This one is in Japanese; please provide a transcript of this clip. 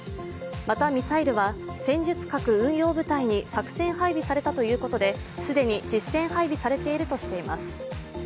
また、ミサイルは戦術核運用部隊に作戦配備されたということで既に実戦配備されているとしています。